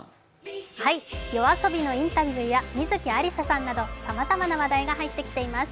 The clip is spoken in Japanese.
ＹＯＡＳＯＢＩのインタビューや観月ありささんなどさまざまな話題が入ってきています。